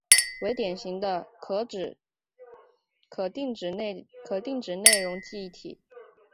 为典型的可定址内容记忆体。